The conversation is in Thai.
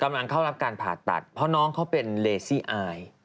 กำลังเข้ารับการผ่าตัดเพราะน้องเขาเป็นเลซี่อาย